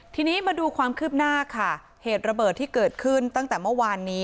ทีนี้มาดูความคืบหน้าค่ะเหตุระเบิดที่เกิดขึ้นตั้งแต่เมื่อวานนี้